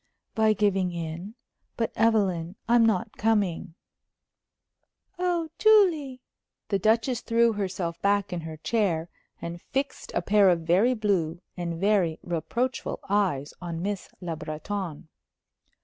"By giving in. But, Evelyn, I'm not coming." "Oh, Julie!" The Duchess threw herself back in her chair and fixed a pair of very blue and very reproachful eyes on Miss Le Breton.